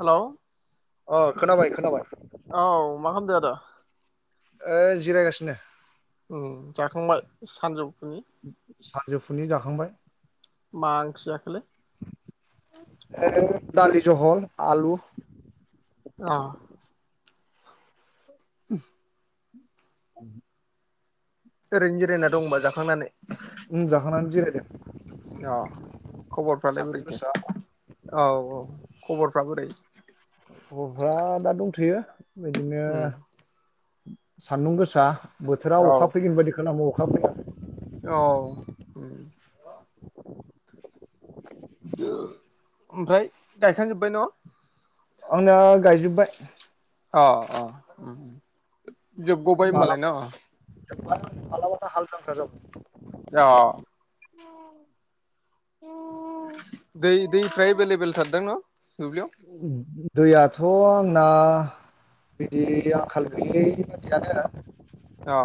हेल'! अ खोनाबाय खोनाबाय। औ मा खामदों आदा? ओ जिरायगासिनो। उम जाखांबाय सानजौ सानजौफुनि जाखांबाय। मा ओंख्रि जाखोलै ए दालि जहल आलु। अ। [unintelligible] [inaudible] ओरैनो जिरायना दंबा जाखांनानै? उम जाखांनानै जिरायदों। अ खबरफ्रालाय सान्दुं बोरैथो गोसा औ औ खबरफ्रा बोरै? खबरफ्रा दा दंथ'यो बिदिनो। उम सान्दुं गोसा बोथोरा औ अखा फैगोन बादि खो नांग' अखा फैया। औ। [unintelligible] ओमफ्राय गायखांजोबबाय न? आंना गायजोबबाय। अ अ। जोबग'बाय माला होमबालाय न अ मालाबानो हाल जांख्रा जाबाय? औ। [unintelligible] दै दैफ्रा एबेलेबेल थारदां न? दुब्लियाव [unintelligible] दैयाथ' आंना बिदि आंखाल गैयै बायदियानो। औ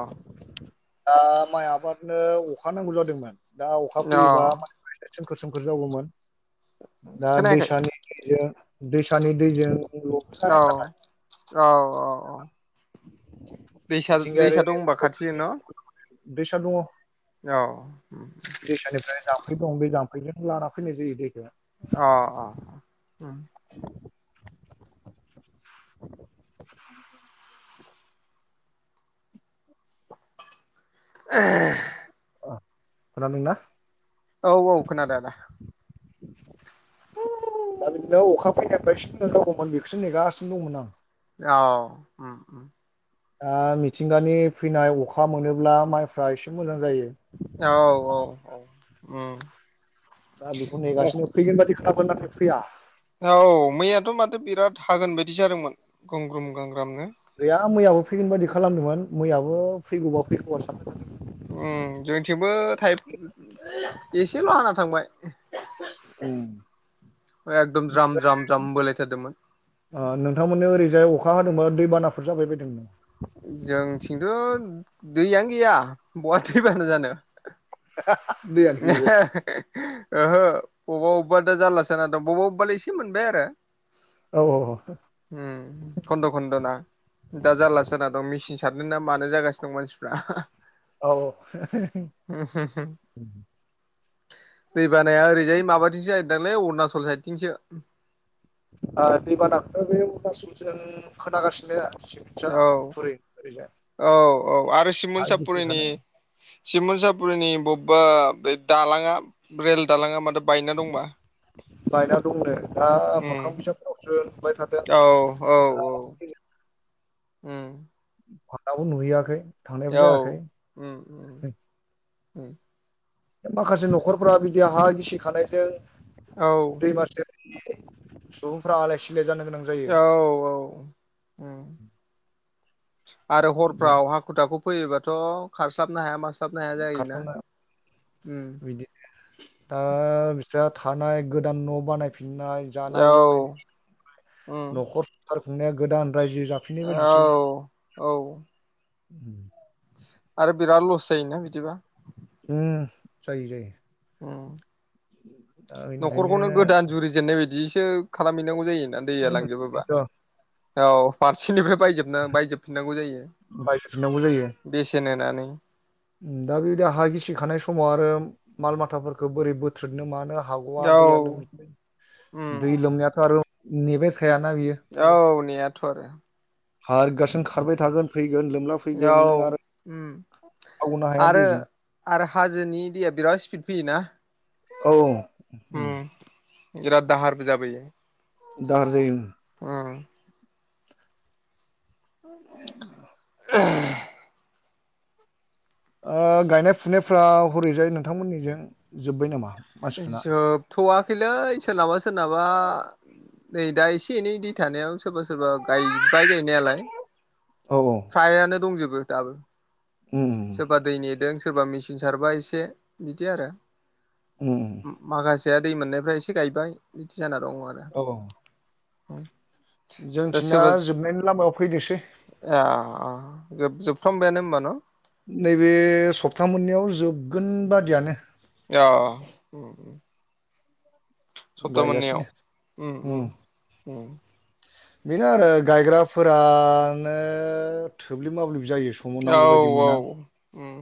दा माइ आबादनो अखा नांगौ जादोंमोन दा अखा अ फैयोबा मान सोमखोर सोमखोर जायोमोन दा खोनायाखै दैसानि दैजों दैसानि दैजों औ औ औ औ दैसा मिथिंगायारि दैसा दं होनबा खाथि बोथोरनि नोंनाव दैसा दङ औ दैसानिफ्राय जाम्फै दं बे जाम्फैजोंनो लाना फैनाय जायो दैखौ अ अ [unintelligible] [inaudible] ओ खोना दोंना औ औ खोना दों आदा दा बिदिनो अखा फैनायफ्राय सि जागौमोन बेखौसो नेगासिनो दंमोन आं औ दा मिथिंगानि फैनाय अखा मोनोब्ला माइफ्रा एसे मोजां जायो औ औ औ उम दा बेखौ नेगासिनो फैगोन बादि खागोन नाथाय फैया औ मैयाथ' माथो बिराद हागोन बायदि जादोंमोन गंग्रोम ग्र गैया मैयाबो फैगोन बायदि खालामदोंमोन मैयाबो फैगौबा फैगौआ सानदों उम जोंथिंबो थाय एसेल' हाना थांबाय औ एकदम ज्राम ज्राम ज्राम बोलायथारदोंमोन ओ नोंथांमोननो ओरैजाय अखा अखा होदोंमोन दैबानाफोर जाबाय बायदोंमोन जोंनि थिंथ' दैयानो गैया बहा दै बाना जानो [unintelligible] दैयानो ओहो बबेबा अबेबा दा जारलासो जाना दं बबेबा बबेबा दा एसे मोनबाय आरो औ औ औ उम खन्द' खन्द' ना दा जारला जाना दं मेसिन सारदों ना मानो जागासिनो दं मानसिफ्रा औ औ दै बानाया ओरैजाय माबाथिंसो जाहैदांलै अरुणचल साइदथिंसो आ दैबानाखौथ' बे अरुनाचलजों खोनागासिनो औ [unintelligible] औ औ आरो हा सिमोनपुरिनि गिसिखानाय सिमोन सापुरिनि बब बा दालाङा रेल दालाङा माथो बायना दंबा बायना दंनो दा उम मोखां बिजाबफोरावसो नुबाय थादों औ औ औ उम आं दाबो नुहैयाखै थांनायबो औ जायाखै उम माखासे न'खरफ्रा बिदि हा गिसि खानायजों औ दैमासेर सुबुंफ्रा आलाय सिलाय जानो गोनां जायो औ औ उम आरो दा हरफ्राव हाखु दाखु फैयोबाथ' खारस्लाबनो हाया मास्लाब स्लाब नो हाया जायो ना खारथ'ना ओम बिदि दा बिस्रा थानाय गोदान न' बानाय फिननाय औ जानाय लोंनायनि उम न'खर सार खुंनाया गोदान रायजो जाफिननाय औ बायदिसो औ आरो बिराद लस जायोना बिदिबा उम जायो जायो उम दा बेनिखायनो न'खरखौनो गोदान जुरिजेननाय बायदियैसो खालामहैनांगौ जायोना दैया लांजोबोबा बेनोथ' औ फारसेनिफ्राय बायजोब बायजोबफिननांगौ जायो बायजोफिननांगौ जायो बेसेन होनानै दा बेबायदि हा गिसिखानाय समाव आरो माल माथाफोरखौ बोरै बोथ्रोनो मानो हाग'आ औ दैया उम दै उम लोमनायाथ' आरो नेबाय था औ नेयाथ' आरो। खारगासिनो खारबाय थागोन फै औ उम। थावनो हाया आरो दैजों आरो हाजोनि दैया बिराद स्पिड फैयोना औ उम बिराद दाहारबो जाबोयो दाहार जायो उम। उम [unintelligible] [unintelligible] ओ गायनाय फुनायफ्रा हरैजाय नोंथांमोननिजों जोब्बाय नामा? मानसिफोरना जोबथ'वाखैलै सोरनाबा सोरनाबा नै दा एसे से एनै दै थानायाव सोरबा सोरबा गायबाय गायनायालाय औ औ फ्रायानो दंजोबो दाबो उम सोरबा दैनि दों सोरबा मेशिन सारबाय एसे इदि आरो उम उम माखासे फिसाया दै मोननायफ्रा एसे गायबाय बिदि जाना दं आरो औ दा जोंथिना सोरबा जोबनायनि लामायाव फैदोसै [inaudible] ए अ अ जोब जोबफ्रामबायानो होमबा न'? नैबे सप्ता मोननैयाव जोबगोन बादियानो अ सप्ता मोननैयाव गायगासिनो उम उम बेनो आरो गायग्राफोर फ्रानो थोब्लिब माब्लिब जायो समाव औ नांगौ बायदि औ मोना उम।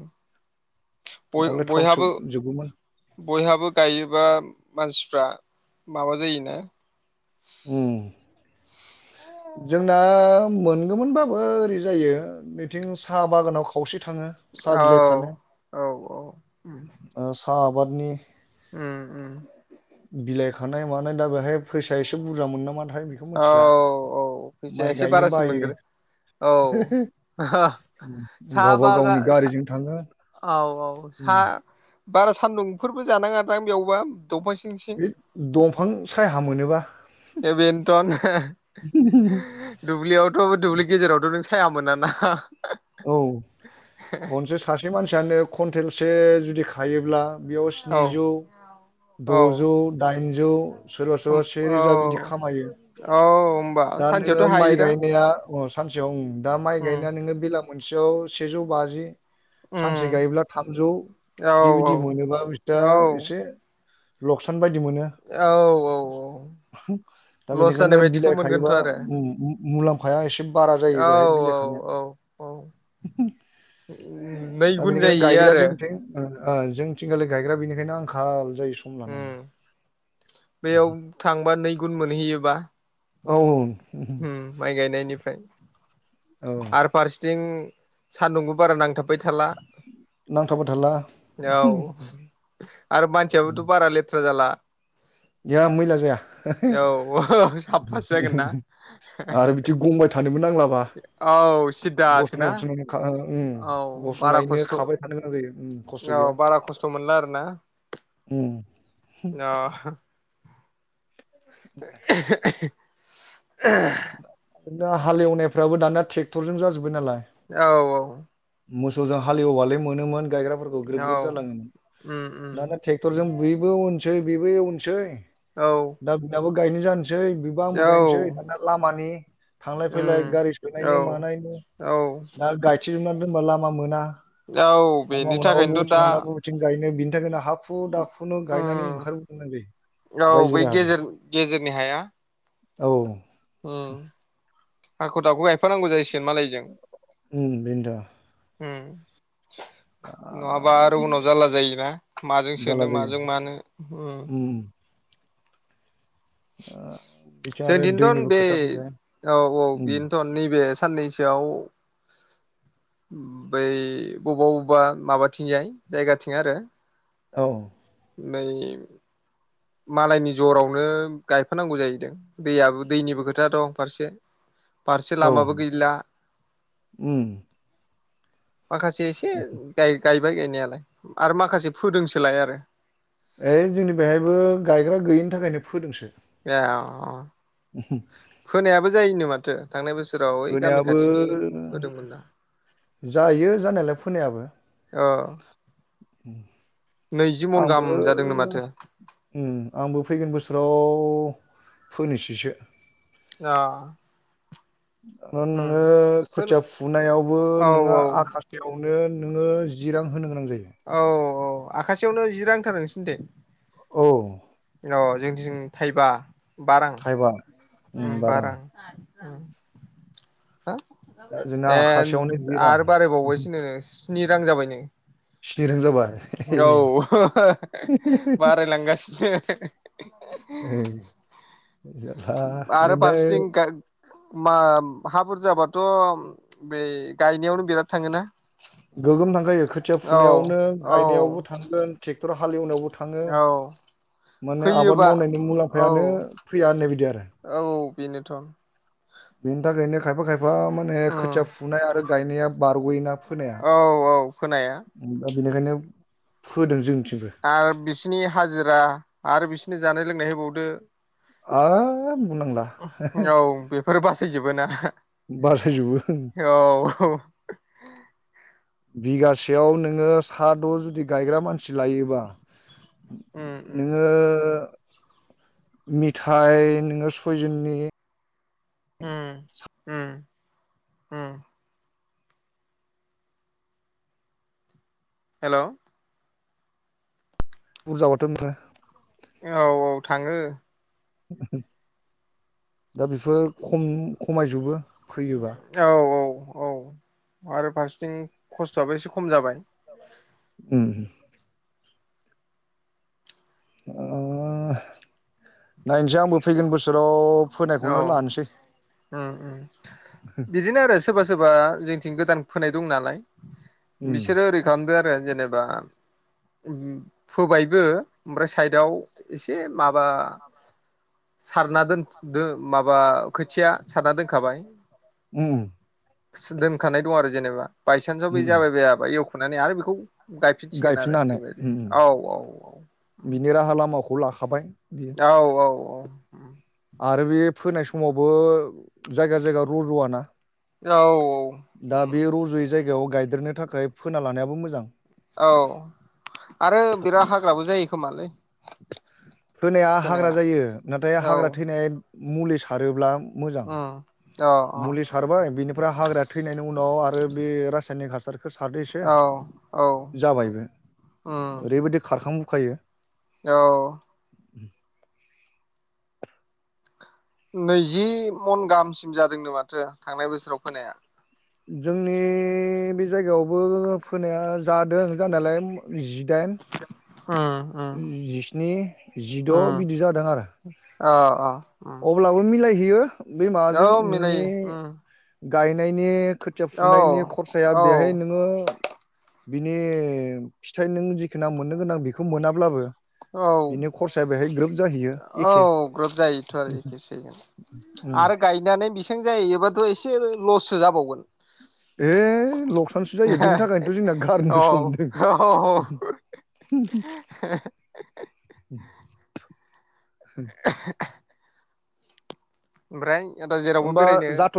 बय नङाब्ला थाब बयहाबो जोबगौमोन बयहाबो गायोबा मानसि फ्रा माबा जायोना उम। जोंना मोनगौमोनबाबो ओरै जायो बिथिं साहा बागानाव खावसे थाङो साहा औ बिलाइ खानो औ औ उम साहा आबादनि उम उम बिलाइ खानाय मानाय दा बेहाय फैसाया एसे बुरजा मोनो नामाथाय बेखौ मिथिला फैसे माइ एसे गायनो बारसिन बायो मोनगोन औ सा गावबा बागा गावनि सा गारिजों थाङो औ औ उम सा बारा सान्दुंफोरबो जानाङादां बेयावबा दंफां सिं सिं बे दंफां साया मोनोबा थ दुब्लियावथ' दुब्लि गेजेरावथ' नों साया मोना ना औ खनसे सासे मानसियानो कुवेन्टेलसे जुदि खायोब्ला बेयाव औ स्निजौ औ द'जौ दाइनजौ सोरबा सोरबा से औ रोजा बिदि खामायो औ होमबा दा नोङो सानसेयावथ' माइ हायोदां गायनाया सानसेयाव ओं दा माइ उम गायनाया नोङो बेला मोनसेयाव सेजौ बाजि सानसे उम गायोब्ला थामजौ औ बिबायदि औ मोनोबा बिस्रा औ एसे लकसान बायदि मोनो औ औ औ दा लस जानाय बेनिखायनो बायदिखौ बिलाइ खायोबा मोनगोनथ' आरो मु-मु-मुलाम्फाया एसे बारा जायो औ बेहाय बिलाइ खानाया औ औ नै दा गुन बेनिखायनो जाहैयो गायग्राया आरो जोंनिथिं जों थिं जोलै गायग्रा बेनिखायनो आंखाल जायो। सम लानानै उम्म बेयाव थांबा नै गुन मोनहैयोबा औ उम माइ गायनायनिफ्राय औ आरो फारसेथिं सान्दुंबो बारा नांथाबबाय थ थाला नांथाबबाय थाला औ आरो मानसियाबोथ बारा लेथ्रा जाला जाया मैला जाया औ साफासो जागोन ना आरो बिदि गंबाय थानोबो नांला औ [unintelligible] सिदासोना उम औ बारा गसंनायनो खस्थ' खाबाय थानो गोनां जायो उम खस्थ औ गैया बारा खस्थ' मोनला आरो ना ओम [inaudible] [inaudible] [inaudible] हालेवनायफ्राबो दाना टेक्टरजों जाजोबबाय नालाय औ औ मोसौजों हालेवबालाय मोनोमोन गायग्राफोरखौ ग्रोब औ ग्रोब जालाङोमोन उम दाना उम ट्रेक्टरजों बेबो उनसै बेबो एवनसै औ औ दा बिनाबो गायनो जानोसै बिबो आंबो गायनोसै दाना लामानि थांलाय फैलाय उम गारि औ सोनायनि मानायनि औ ना गायथेजोबनानै दोनबा लामा मोना औ लामा बेनि मोनाबा थाखायनोथ' बबेथिं दा लांना बबेथिं गायनो बिनि थाखायनो हाखु दाखु खुनु गायनानै उम ओंखारबोनो गोनां औ जायो जाय बै जिराय हागो गेजेर औ ओ हाखु दाखु गायफानांगौ जायोस उम्म बेन्थ उम नङाबा आरो उनाव जारला जायोना माजों जारला सोनो जायो माजों मानो उ उम ओ बिथिं आरो जोंदिथन दैनिबो बे खोथा फैबाय औ औ उम बेनोथन नैबे साननैसोआव बै बबबा बबबा माबाथिंजाय जायगाथिं आरो औ नै मालायनि जरावनो गायफानांगौ जाहैदों दैयाबो दैनिबो खोथा दं फारसे फारसे औ लामाबो गैला उम माखासे एसे गाय गायबाय गायनायालाय आरो माखासे फोदोंसोलाय आरो ओइ जोंनि बेहायबो गायग्रा गैयिनि थाखायनो फोदोंसो ए अ फोनायाबो जायोनो माथो थांनाय बोसोराव ओइ गामि फोनायाबो खाथिनि फोदोंमोन ना जायो जानायलाय फोनायाबो अ नैजि मन आंबो गाहाम जादोंनो माथो उ आंबो फैगोन बोसोराव फोनोसैसो अ उम नोङो फोनो खोथिया फुनायावबो औ नोङो औ आखासेयाव नो नोङो जि रां होनो गोनां जायो औ औ आखासेयावनो जि रांथार नोंसिनिथिं औ अ जोंनिथिं थाइबा बा रां थाइबा उम बा रां हा दा जोंना ए आखासेयावनो जि रां आरो बारायबावबायसोनो स्नि रां जाबायनो स्नि रां जाबाय औ बाराय लांगासिनो जारला आरो बेनिफ्राय फारसिथिं गा मा हा बुरजाबाथ बे गायनायावनो बिराद थाङोना गोगोम थांखायो खोथिया औ फुनायावनो औ गायनायावबो थांगोन ट्रेक्टर हालेवनायावबो थाङो औ माने आबाद फैयोबा मावनायनि मुलाम्फायानो औ फैया होननाय बायदि आरो औ बेनोथ बेनि थाखायनो खायफा खायफा माने खोथिया फुनाय आरो गायनाया बारग'यो ना औ-औ फोनाया दा बेनिखायनो फोदों जोंनिथि आरो बिसिनि हाजिरा आरो बिसिनि जानाय लोंनाय होबावदो आ बुंनांला औ बेफोर बासायजोबोना बासायजोबो ओम [inaudible] बिगासेयाव नोङो सा द' जुदि गायग्रा मानसि लायोबा उम उम नोङो मिथाइ नोङो सयजननि ओम-ओम-ओम हेल' बुरजाबाथो मोनो औ-औ थाङो दा बेफोर खम खमायजोबो फैयोबा औ-औ औ आरो फारसेथिं खस्थ'आबो एसे खम जाबाय ओम ओ नायनोसै आंबो फैगोन बोसोराव औ फोनायखौनो लानोसै ओम ओम बिदिनो आरो सोरबा सोरबा जोंनिथिं गोदान फोनाय दं नालाय उम बिसोरो ओरै खालामदो आरो जेनेबा फोबायबो ओमफ्राय साइदआव एसे माबा सारना दोन माबा खोथिया सारना दोनखाबाय ओम दोनखानाय दं आरो जेनेबा बायसेनसआव उम बे जाबाय बायाबा एवख'नानै आरो बेखौ गायफिनसिगोन आरो गायफिननो हानाय बेबायदि उम उम औ-औ-औ खौ लाखाबाय बियो औ-औ-औ ओम आरो बे फोनाय समावबो जायगा जायगा रजवाना औ-औ दा बे रज'यै जायगायाव गायदेरनो थाखाय फोना लानायाबो मोजां औ आरो बिराद हाग्राबो जायो खोमालै फोनाया हाग्रा जायो नाथाय औ हाग्रा थैनाय मुलि सारोब्ला मोजां अ अ मुलि सारबाय बेनिफ्राय हाग्राया थैनायनि उनाव आरो बे रासायनिक हास बेखौ सारदो एसे औ जाबायबो ओरैबायदि खारखांबोखायो औ [inaudible] नैजि मन गाहामसिम जादोंनो माथो थांनाय बोसोराव फोनाया जोंनि बे जायगायावबो फोनाया जादों जानायालाय जिदाइन उम उम जिस्नि जिद' उम बिदि जादों आरो अ अ उम अब्लाबो मिलायहैयो बे माबाजों औ नोंनि मिलायो उम गायनायनि खोथिया औ फुनायनि खरसाया औ बेहाय नोङो बिनि फिथाइ नों जिखोना मोननो गोनां बेखौ मोनाब्लाबो बिनि खरसाया बेहाय ग्रोब जाहैयो औ-औ एखे ग्रोब जायोथ' एसे उम आरो गायनानै बेसां जाहैबाथ' एसे लससो जाबावगोन ए लकसोनसो जायो बेनि थाखायनोथ' जोंना औ गारनोसो हमदों औ [inaudible] [unintelligible] ओमफ्राय आदा जेरावबो होमबा बेरायनो जाथ'